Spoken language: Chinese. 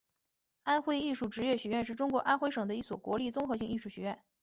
安徽艺术职业学院是中国安徽省的一所国立综合性艺术学院。